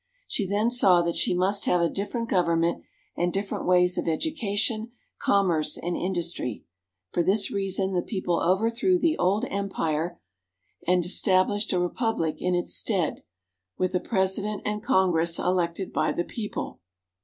She then saw that she must have a different gov ernment and different ways of education, commerce, and in dustry. For this reason the people overthrew the old Empire, and established a Republic in its stead, with a President and Congress elected by the people.